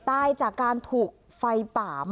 อันดับที่สุดท้าย